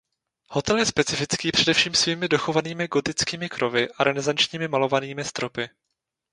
Hotel je specifický především svými dochovanými gotickými krovy a renesančními malovanými stropy.